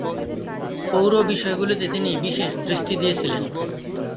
পৌর বিষয়গুলিতে তিনি বিশেষ দৃষ্টি দিয়েছিলেন।